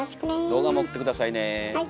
動画も送って下さいね。